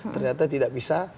ternyata tidak bisa